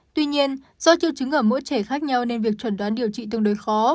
tuy nhiên do triệu chứng ở mỗi trẻ khác nhau nên việc chuẩn đoán điều trị tương đối khó